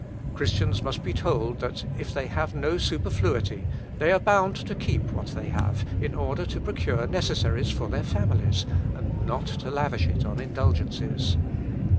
"Christians must be told that if they have no superfluity, they are bound to keep what they have, in order to procure necessaries for their families, and not to lavish it on indulgences.